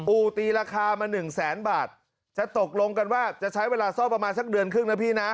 ตีราคามาหนึ่งแสนบาทจะตกลงกันว่าจะใช้เวลาซ่อมประมาณสักเดือนครึ่งนะพี่นะ